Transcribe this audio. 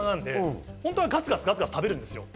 本当はガツガツ食べるんです。